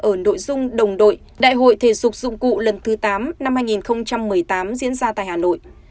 ở nội dung đồng đội đại hội thể dục dụng cụ lần thứ tám năm hai nghìn một mươi tám diễn ra tại hà nội